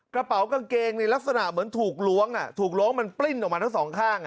กระเป๋ากางเกงในลักษณะเหมือนถูกล้วงถูกล้วงมันปลิ้นออกมาทั้งสองข้าง